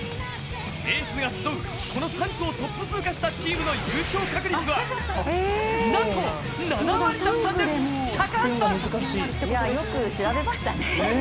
エースが集うこの３区をトップ通過したチームの優勝確率はなんと７割だったんです、高橋さん！よく調べましたね。